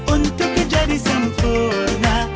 untuk kejadian sempurna